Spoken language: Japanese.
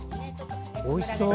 おいしそう。